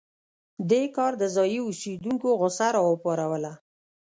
دې کار د ځايي اوسېدونکو غوسه راوپاروله.